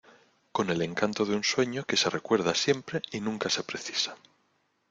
con el encanto de un sueño que se recuerda siempre y nunca se precisa.